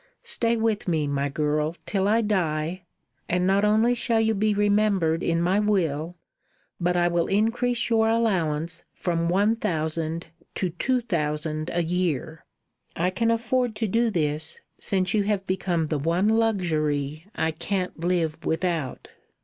Stay with me, my girl, till I die, and not only shall you be remembered in my will, but I will increase your allowance from one thousand to two thousand a year. I can afford to do this, since you have become the one luxury I can't live without."